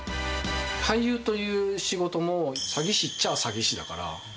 俳優という仕事も、詐欺師っちゃあ詐欺師だから。